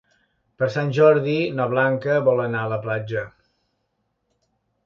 Per Sant Jordi na Blanca vol anar a la platja.